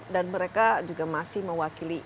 dan mereka juga masih mewakili partai